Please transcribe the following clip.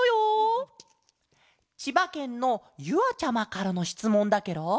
ちばけんのゆあちゃまからのしつもんだケロ。